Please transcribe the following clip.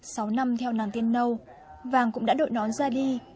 sáu năm theo nàn tiên nâu vàng cũng đã đội nón ra đi